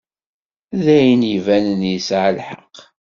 D ayen ibanen yesɛa lḥeqq.